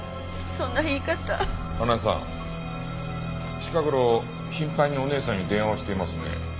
近頃頻繁にお姉さんに電話をしていますね。